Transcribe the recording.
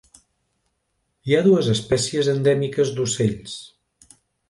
Hi ha dues espècies endèmiques d'ocells.